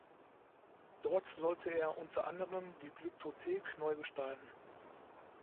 Dort sollte er unter anderem die Glyptothek neu gestalten.